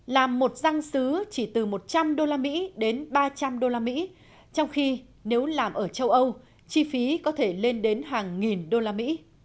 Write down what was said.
làm một răng xứ chỉ từ một trăm linh usd đến ba trăm linh usd trong khi nếu làm ở châu âu chi phí có thể lên đến hàng nghìn usd